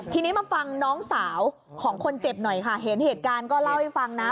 ทีนี้มาฟังน้องสาวของคนเจ็บหน่อยค่ะเห็นเหตุการณ์ก็เล่าให้ฟังนะ